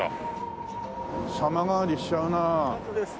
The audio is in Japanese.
様変わりしちゃうなあ。